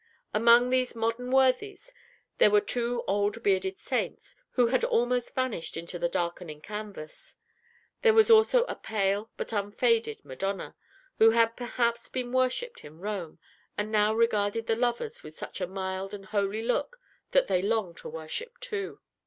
Among these modern worthies, there were two old bearded Saints, who had almost vanished into the darkening canvas. There was also a pale but unfaded Madonna, who had perhaps been worshiped in Rome, and now regarded the lovers with such a mild and holy look that they longed to worship too.